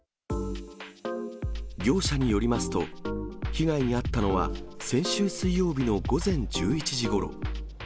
業者によりますと、被害に遭ったのは、先週水曜日の午前１１時ごろ。